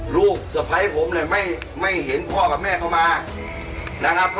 ลูกสะพ้ายผมเนี่ยไม่เห็นพ่อกับแม่เข้ามานะครับ